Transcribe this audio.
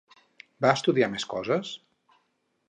Va estudiar més coses?